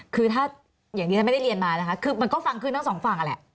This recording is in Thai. คือถ้าอย่างนี้ถ้าไม่ได้เรียนมามันก็ฟังขึ้นทั้งสองฝั่งแหละ